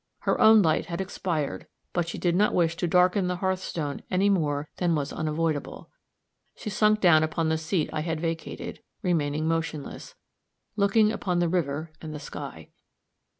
Her own light had expired, but she did not wish to darken the hearthstone any more than was unavoidable. She sunk down upon the seat I had vacated, remaining motionless, looking upon the river and the sky.